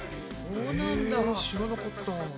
へぇ知らなかった。